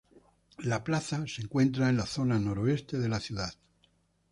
La plaza se encuentra en la zona noreste de la ciudad.